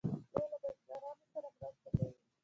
دوی له بزګرانو سره مرسته کوي.